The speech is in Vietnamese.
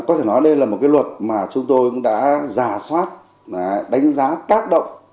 có thể nói đây là một cái luật mà chúng tôi cũng đã giả soát đánh giá tác động